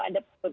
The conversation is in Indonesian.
ada beberapa hal